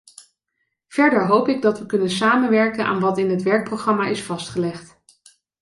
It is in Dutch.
Verder hoop ik dat we kunnen samenwerken aan wat in het werkprogramma is vastgelegd.